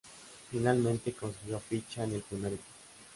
Finalmente, consiguió ficha en el primer equipo.